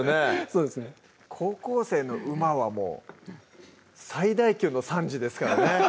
そうですね高校生の「うまっ」はもう最大級の賛辞ですからね